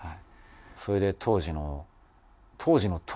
それで当時の。